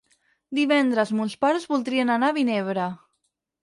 Divendres mons pares voldrien anar a Vinebre.